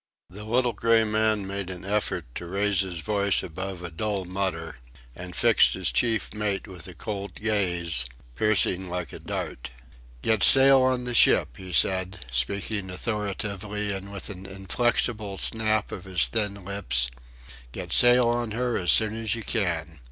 The little grey man made an effort to raise his voice above a dull mutter, and fixed his chief mate with a cold gaze, piercing like a dart. "Get sail on the ship," he said, speaking authoritatively and with an inflexible snap of his thin lips. "Get sail on her as soon as you can.